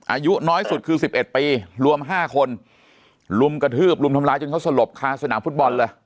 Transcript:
อายุน้อยสุดคือ๑๑ปีรวม๕คนลุมกระทืบรุมทำร้ายจนเขาสลบคาสนามฟุตบอลเลย